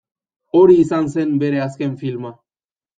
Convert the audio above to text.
Hori izan zen bere azken filma.